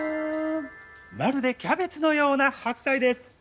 「まるでキャベツのような白菜」です。